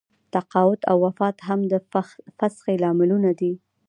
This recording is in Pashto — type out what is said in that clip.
تقاعد او وفات هم د فسخې لاملونه دي.